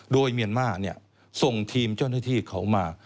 โดยเมียนมาร์ส่งทีมเจ้าหน้าที่เขามา